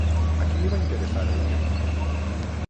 A qui li va interessar el tema?